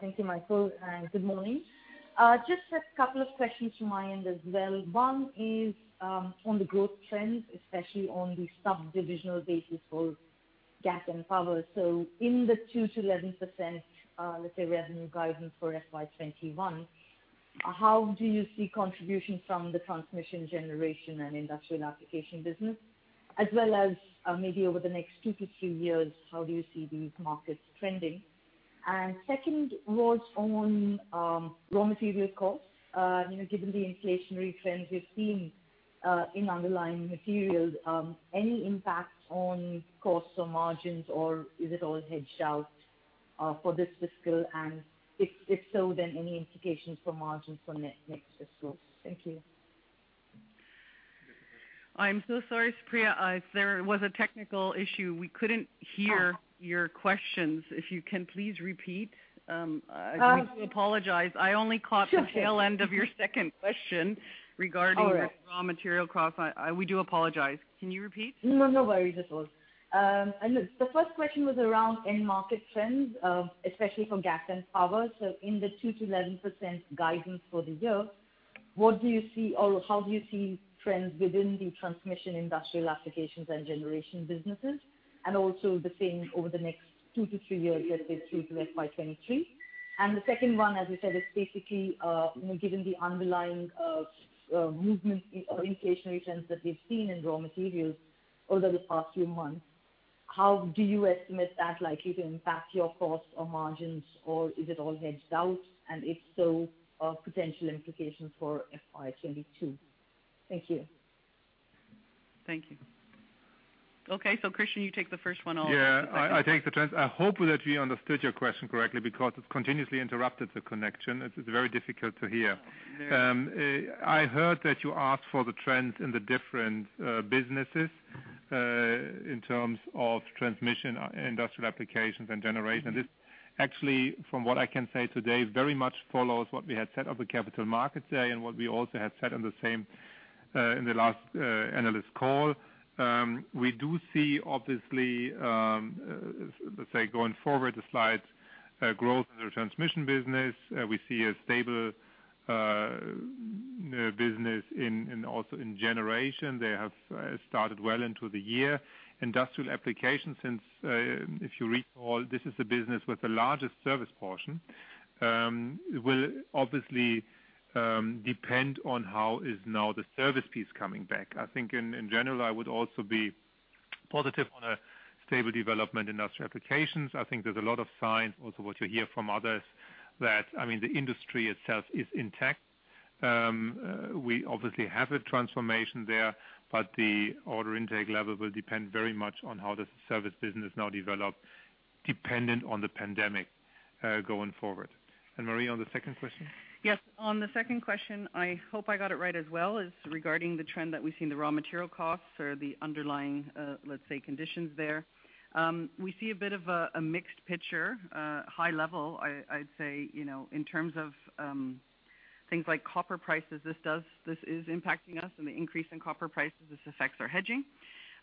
I: Thank you, Michael, good morning. Just a couple of questions from my end as well. One is on the growth trends, especially on the sub-divisional basis for Gas and Power. In the 2%-11%, let's say revenue guidance for FY 2021, how do you see contributions from the transmission generation and industrial application business, as well as maybe over the next two to three years, how do you see these markets trending? Second was on raw material costs. Given the inflationary trends we've seen in underlying materials, any impact on costs or margins, or is it all hedged out for this fiscal? If so, any implications for margins for next fiscal? Thank you.
D: I'm so sorry, Supriya. There was a technical issue. We couldn't hear your questions. If you can please repeat. I do apologize. I only caught the tail end of your second question regarding the raw material cost. We do apologize. Can you repeat?
I: No worries at all. Look, the first question was around end market trends, especially for Gas and Power. In the 2%-11% guidance for the year, how do you see trends within the transmission, industrial applications, and generation businesses? Also the same over the next two to three years, let's say through to FY 2023. The second one, as you said, is basically, given the underlying movements or inflationary trends that we've seen in raw materials over the past few months, how do you estimate that it can impact your costs or margins, or is it all hedged out? If so, potential implications for FY 2022. Thank you.
D: Thank you. Okay. Christian, you take the first one, I'll take the second.
C: Yeah, I take the first. I hope that we understood your question correctly because it continuously interrupted the connection. It is very difficult to hear. I heard that you asked for the trends in the different businesses, in terms of transmission, industrial applications, and generation. This actually, from what I can say today, very much follows what we had said on the Capital Market Day and what we also had said in the last analyst call. We do see, obviously, let's say going forward the slight, growth in the transmission business. We see a stable business also in generation. They have started well into the year. Industrial applications, if you recall, this is the business with the largest service portion. It will obviously depend on how is now the service piece coming back. I think in general, I would also be positive on a stable development in industrial applications. I think there's a lot of signs, also what you hear from others, that the industry itself is intact. We obviously have a transformation there, but the order intake level will depend very much on how the service business now develops, dependent on the pandemic going forward. Maria, on the second question?
D: Yes. On the second question, I hope I got it right as well. It's regarding the trend that we see in the raw material costs or the underlying, let's say, conditions there. We see a bit of a mixed picture. High level, I'd say, in terms of things like copper prices, this is impacting us, and the increase in copper prices, this affects our hedging.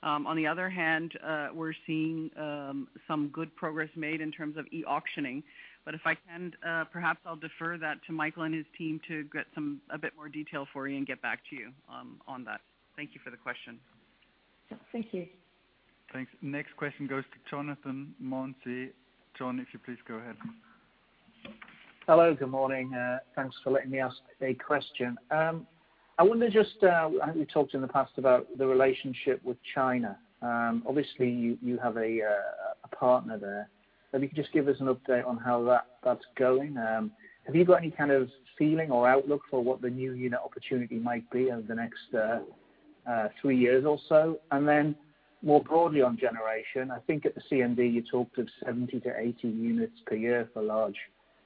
D: On the other hand, we're seeing some good progress made in terms of e-auctioning. If I can, perhaps I'll defer that to Michael and his team to get a bit more detail for you and get back to you on that. Thank you for the question.
I: Thank you.
B: Thanks. Next question goes to Jonathan Mounsey. Jon, if you please go ahead.
J: Hello. Good morning. Thanks for letting me ask a question. I wonder, just, I think we talked in the past about the relationship with China. Obviously, you have a partner there. If you could just give us an update on how that's going? Have you got any kind of feeling or outlook for what the new unit opportunity might be over the next three years or so? More broadly on generation, I think at the CMD you talked of 70-80 units per year for large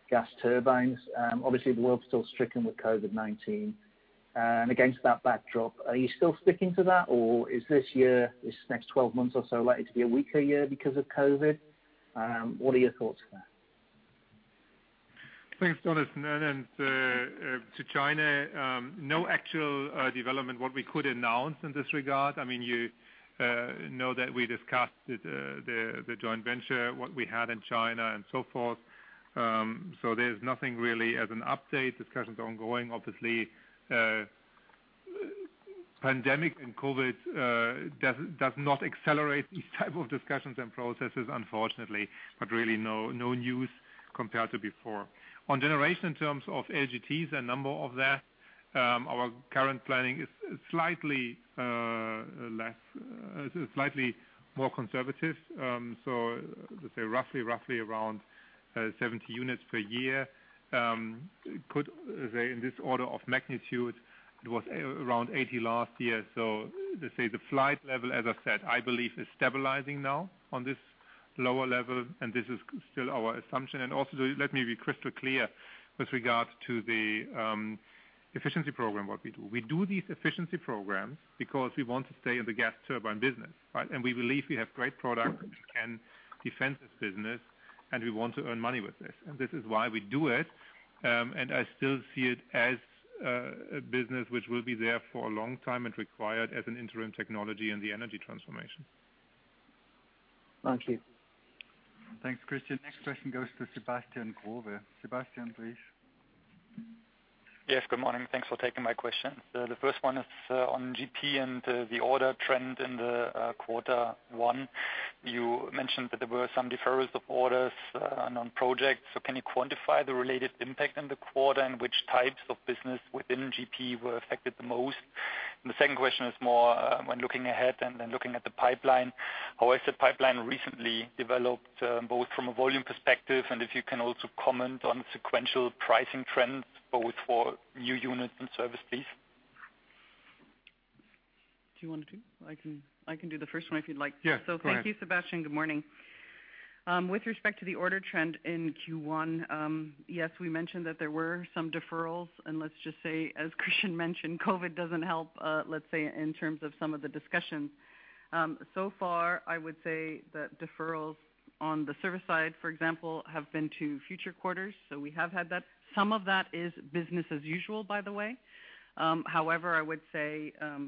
J: gas turbines. Obviously, the world's still stricken with COVID-19. Against that backdrop, are you still sticking to that, or is this year, this next 12 months or so, likely to be a weaker year because of COVID? What are your thoughts there?
C: Thanks, Jonathan. To China, no actual development what we could announce in this regard. You know that we discussed the joint venture, what we had in China and so forth. There's nothing really as an update. Discussions are ongoing. Obviously, pandemic and COVID does not accelerate these type of discussions and processes, unfortunately. Really, no news compared to before. On generation, in terms of LGTs and number of that, our current planning is slightly less, slightly more conservative. Let's say roughly around 70 units per year. In this order of magnitude. It was around 80 units last year. Let's say the flight level, as I said, I believe is stabilizing now on this lower level, and this is still our assumption. Also, let me be crystal clear with regards to the efficiency program, what we do. We do these efficiency programs because we want to stay in the gas turbine business, right? We believe we have great products which can defend this business, and we want to earn money with this. This is why we do it. I still see it as a business which will be there for a long time and required as an interim technology in the energy transformation.
J: Thank you.
B: Thanks, Christian. Next question goes to Sebastian Growe. Sebastian, please.
K: Good morning. Thanks for taking my question. The first one is on GP and the order trend in the quarter one. You mentioned that there were some deferrals of orders on projects. Can you quantify the related impact in the quarter, and which types of business within GP were affected the most? The second question is more when looking ahead and then looking at the pipeline. How has the pipeline recently developed, both from a volume perspective and if you can also comment on sequential pricing trends, both for new units and service, please.
D: Do you want to do? I can do the first one if you'd like.
C: Yeah. Go ahead.
D: Thank you, Sebastian. Good morning. With respect to the order trend in Q1, yes, we mentioned that there were some deferrals, and let's just say, as Christian mentioned, COVID doesn't help, let's say, in terms of some of the discussions. So far, I would say that deferrals on the service side, for example, have been to future quarters. We have had that. Some of that is business as usual, by the way. However, I would say 20%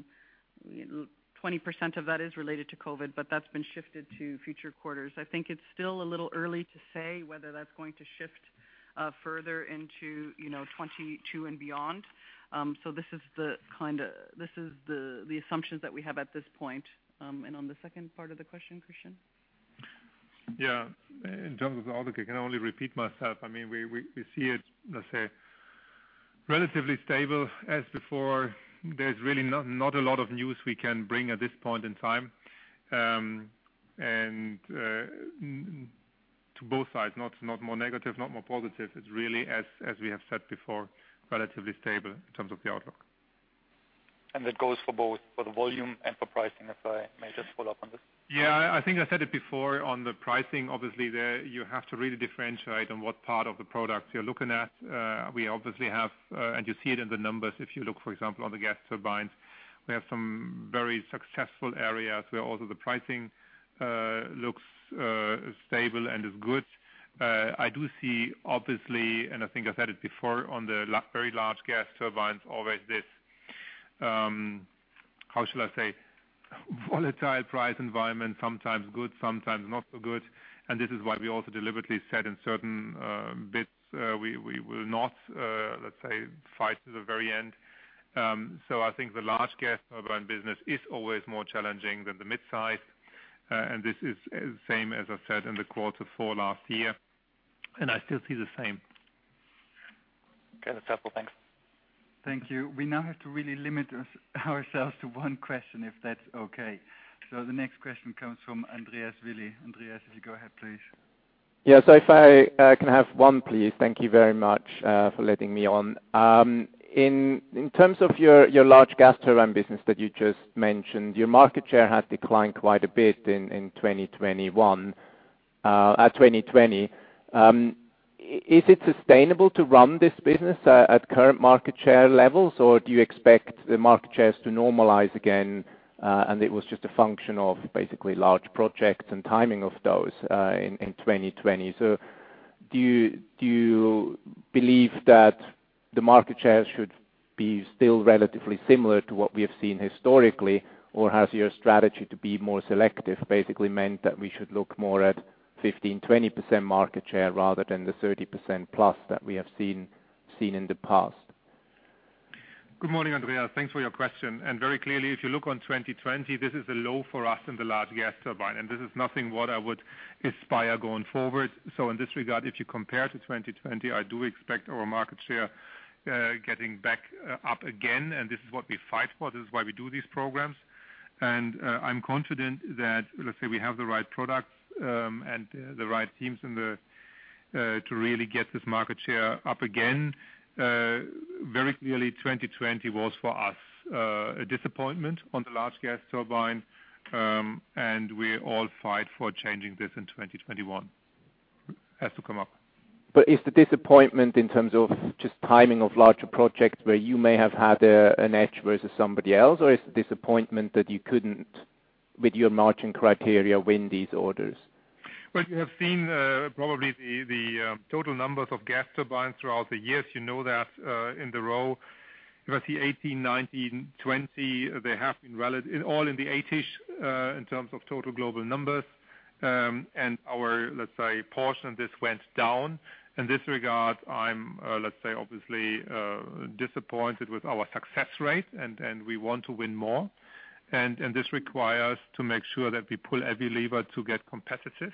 D: of that is related to COVID, but that's been shifted to future quarters. I think it's still a little early to say whether that's going to shift further into 2022 and beyond. This is the assumptions that we have at this point. On the second part of the question, Christian?
C: Yeah. In terms of the outlook, I can only repeat myself. We see it, let's say, relatively stable as before. There's really not a lot of news we can bring at this point in time. To both sides, not more negative, not more positive. It's really, as we have said before, relatively stable in terms of the outlook.
K: That goes for both for the volume and for pricing, if I may just follow up on this?
C: Yeah. I think I said it before on the pricing. There you have to really differentiate on what part of the product you're looking at. We obviously have, and you see it in the numbers if you look, for example, on the gas turbines. We have some very successful areas where also the pricing looks stable and is good. I do see, obviously, and I think I said it before on the very large gas turbines, always this, how shall I say, volatile price environment, sometimes good, sometimes not so good. This is why we also deliberately said in certain bits we will not, let's say, fight to the very end. I think the large gas turbine business is always more challenging than the mid-size. This is the same, as I said in the quarter four last year. I still see the same.
K: Okay, that's helpful. Thanks.
B: Thank you. We now have to really limit ourselves to one question, if that's okay. The next question comes from Andreas Willi. Andreas, if you go ahead, please.
L: Yeah. If I can have one, please. Thank you very much for letting me on. In terms of your Large Gas Turbine business that you just mentioned, your market share has declined quite a bit in 2020. Is it sustainable to run this business at current market share levels, or do you expect the market shares to normalize again, and it was just a function of basically large projects and timing of those in 2020? Do you believe that the market share should be still relatively similar to what we have seen historically, or has your strategy to be more selective basically meant that we should look more at 15%, 20% market share rather than the 30%+ that we have seen in the past?
C: Good morning, Andreas. Thanks for your question. Very clearly, if you look on 2020, this is a low for us in the Large Gas Turbine, and this is nothing what I would aspire going forward. In this regard, if you compare to 2020, I do expect our market share getting back up again, and this is what we fight for. This is why we do these programs. I'm confident that, let's say, we have the right products and the right teams to really get this market share up again. Very clearly, 2020 was, for us, a disappointment on the Large Gas Turbine, and we all fight for changing this in 2021. It has to come up.
L: Is the disappointment in terms of just timing of larger projects where you may have had an edge versus somebody else, or is the disappointment that you couldn't, with your margin criteria, win these orders?
C: Well, you have seen probably the total numbers of gas turbines throughout the years. You know that in the row, if I see 2018, 2019, 2020, they have been all in the 80-ish, in terms of total global numbers. Our, let's say, portion of this went down. In this regard, I'm let's say obviously disappointed with our success rate, and we want to win more. This requires to make sure that we pull every lever to get competitive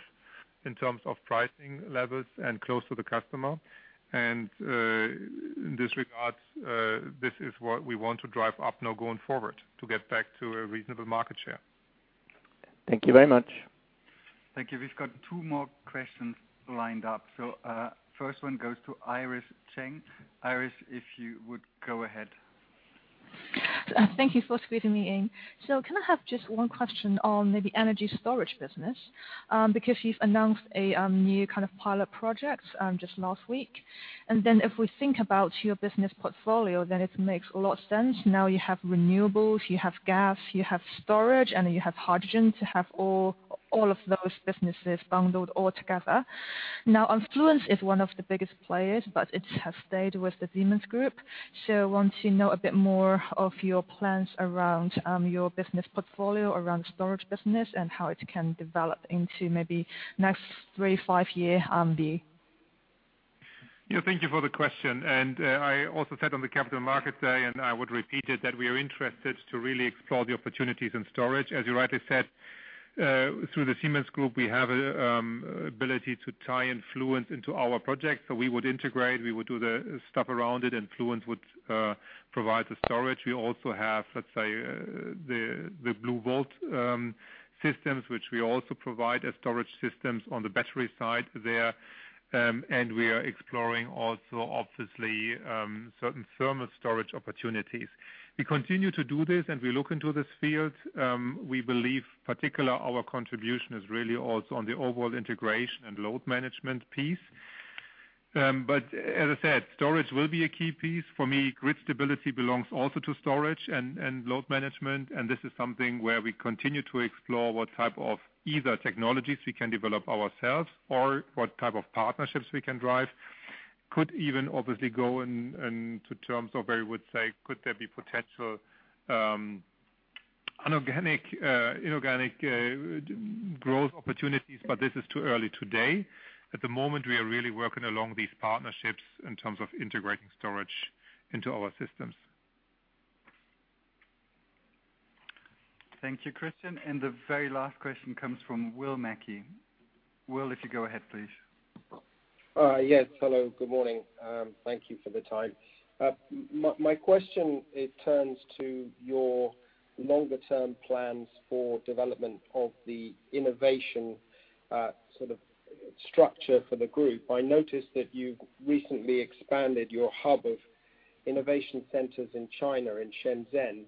C: in terms of pricing levels and close to the customer. In this regard, this is what we want to drive up now going forward to get back to a reasonable market share.
L: Thank you very much.
B: Thank you. We've got two more questions lined up. First one goes to Iris Zheng. Iris, if you would go ahead.
M: Thank you for squeezing me in. Can I have just one question on maybe energy storage business? You've announced a new kind of pilot project just last week. If we think about your business portfolio, then it makes a lot of sense. You have renewables, you have gas, you have storage, and you have hydrogen to have all of those businesses bundled all together. Fluence is one of the biggest players, but it has stayed with the Siemens Group. I want to know a bit more of your plans around your business portfolio, around storage business, and how it can develop into maybe next three, five year view.
C: Yeah. Thank you for the question. I also said on the Capital Market Day, and I would repeat it, that we are interested to really explore the opportunities in storage. As you rightly said, through the Siemens Group, we have ability to tie in Fluence into our projects. We would integrate, we would do the stuff around it, and Fluence would provide the storage. We also have, let's say, the BlueVault systems, which we also provide as storage systems on the battery side there. We are exploring also, obviously, certain thermal storage opportunities. We continue to do this, and we look into this field. We believe particular our contribution is really also on the overall integration and load management piece. As I said, storage will be a key piece. For me, grid stability belongs also to storage and load management. This is something where we continue to explore what type of either technologies we can develop ourselves or what type of partnerships we can drive. Could even obviously go into terms of where you would say, could there be potential inorganic growth opportunities, but this is too early today. At the moment, we are really working along these partnerships in terms of integrating storage into our systems.
B: Thank you, Christian. The very last question comes from Will Mackie. Will, if you go ahead, please.
N: Yes. Hello, good morning. Thank you for the time. My question turns to your longer-term plans for development of the innovation sort of structure for the group. I noticed that you recently expanded your hub of innovation centers in China, in Shenzhen.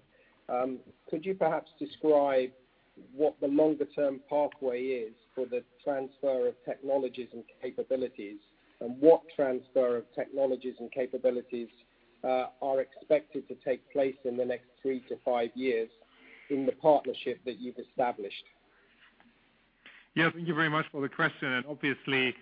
N: Could you perhaps describe what the longer-term pathway is for the transfer of technologies and capabilities, and what transfer of technologies and capabilities are expected to take place in the next three to five years in the partnership that you've established?
C: Thank you very much for the question. Obviously,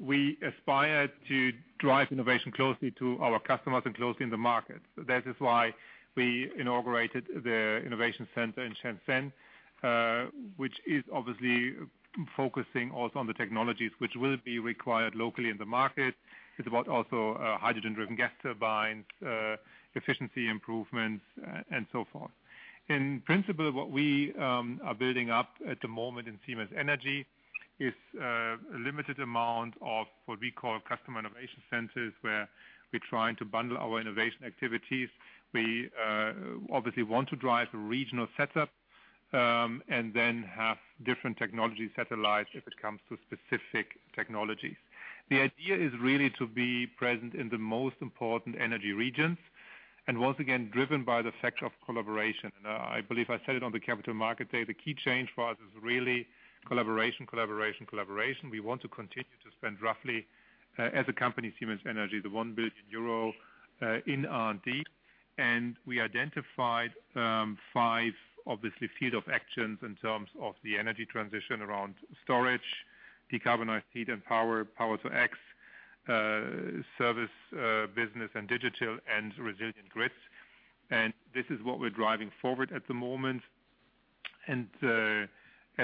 C: we aspire to drive innovation closely to our customers and closely in the markets. That is why we inaugurated the innovation center in Shenzhen, which is obviously focusing also on the technologies which will be required locally in the market. It's about also hydrogen-driven gas turbines, efficiency improvements and so forth. In principle, what we are building up at the moment in Siemens Energy is a limited amount of what we call customer innovation centers, where we're trying to bundle our innovation activities. We obviously want to drive a regional setup and then have different technology satellites if it comes to specific technologies. The idea is really to be present in the most important energy regions, and once again, driven by the factor of collaboration. I believe I said it on the Capital Market Day, the key change for us is really collaboration. We want to continue to spend roughly, as a company, Siemens Energy, the 1 billion euro in R&D. We identified five obviously field of actions in terms of the energy transition around storage, decarbonized heat and power, Power-to-X, service business and digital, and resilient grids. This is what we're driving forward at the moment. As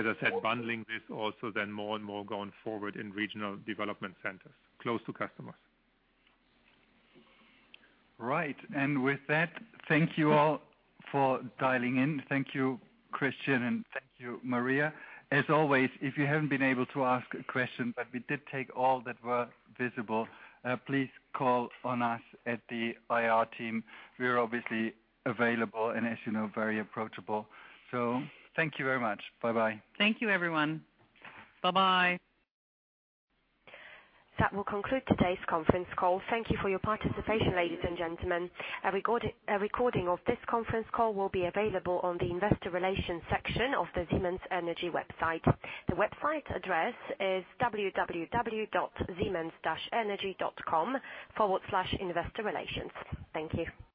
C: I said, bundling this also then more and more going forward in regional development centers close to customers.
B: Right. With that, thank you all for dialing in. Thank you, Christian, and thank you, Maria. As always, if you haven't been able to ask a question, but we did take all that were visible, please call on us at the IR team. We're obviously available and as you know, very approachable. Thank you very much. Bye bye.
D: Thank you everyone. Bye bye.
A: That will conclude today's conference call. Thank you for your participation, ladies and gentlemen. A recording of this conference call will be available on the investor relations section of the Siemens Energy website. The website address is www.siemens-energy.com/investorrelations. Thank you.